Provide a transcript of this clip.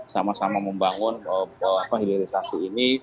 sama sama membangun hilirisasi ini